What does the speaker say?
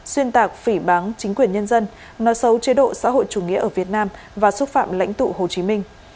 xuyên tạc phỉ bán chính quyền nhân dân nói xấu chế độ xã hội chủ nghĩa ở việt nam và xúc phạm lãnh tụ hồ chí minh